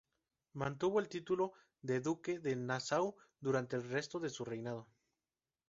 Mantuvo el título de "Duque de Nassau" durante el resto de su reinado.